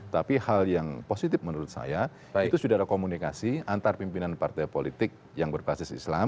tapi hal yang positif menurut saya itu sudah ada komunikasi antar pimpinan partai politik yang berbasis islam